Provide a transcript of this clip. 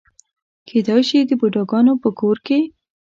کېدای شي د بوډاګانو په کور کې.